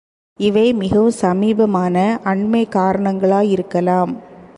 இவை மிகவும் சமீபமான அண்மைக் காரணங்களாயிருக்கலாம்.